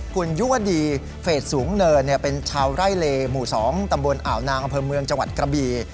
คุณยุวดีเฟสสูงเนินเป็นชาวไร่เลหมู่๒ตำบลอ่าวนางอำเภอเมืองจังหวัดกระบี